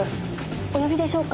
お呼びでしょうか？